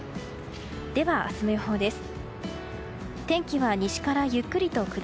では、明日の予報です。